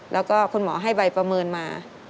แล้วก็คุณหมอให้ใบประเมินมา